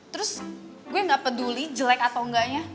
terus gue gak peduli jelek atau enggaknya